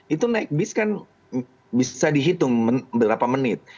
itu naik bis kan bisa dihitung berapa menit